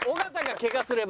「ケガすれば」！